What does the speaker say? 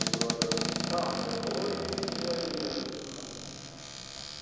さあこれはどういうほほ笑みなのか？